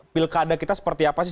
pilkada kita seperti apa sih